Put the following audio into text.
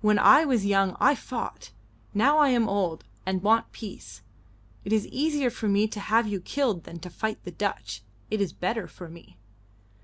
When I was young I fought. Now I am old, and want peace. It is easier for me to have you killed than to fight the Dutch. It is better for me."